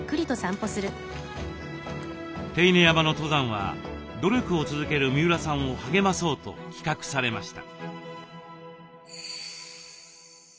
手稲山の登山は努力を続ける三浦さんを励まそうと企画されました。